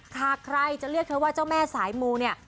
ใครจะเรียกเธอว่าเจ้าแม่สายมูเนี่ย